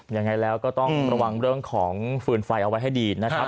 ยังไงแล้วก็ต้องระวังเรื่องของฟืนไฟเอาไว้ให้ดีนะครับ